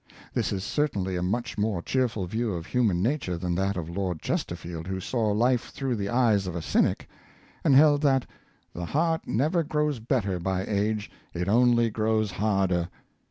This is certainly a much more cheerful view of human nature than that of Lord Chesterfield, who saw life through the eyes of a cynic, and held that '' the heart never grows better by age, it only grows harder."